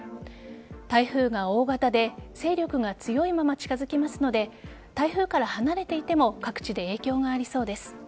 台風が大型で勢力が強いまま近づきますので台風から離れていても各地で影響がありそうです。